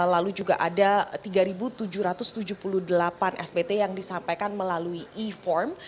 lalu juga ada tiga tujuh ratus tujuh puluh delapan spt yang disampaikan melalui e form